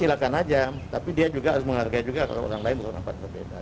silakan aja tapi dia juga harus menghargai juga kalau orang lain bernafas berbeda